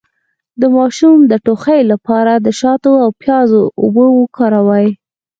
د ماشوم د ټوخي لپاره د شاتو او پیاز اوبه وکاروئ